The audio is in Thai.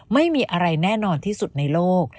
ไม่มีอะไรแน่นอนที่สุดในโลก